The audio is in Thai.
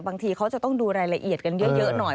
บางทีเขาจะต้องดูรายละเอียดกันเยอะหน่อย